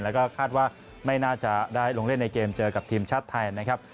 แล้วก็คาดว่าไม่น่าจะได้ลงเล่นในเกมเจอกับทีมชาติไทยนะครับ